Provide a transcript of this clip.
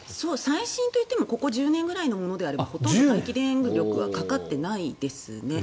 最新といってもここ１０年ぐらいのものであればほとんど待機電力はかかってないですね。